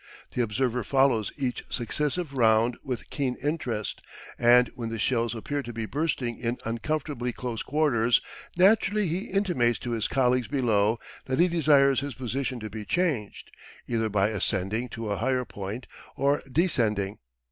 The observer follows each successive, round with keen interest, and when the shells appear to be bursting at uncomfortably close quarters naturally he intimates to his colleagues below that he desires his position to be changed, either by ascending to a higher point or descending.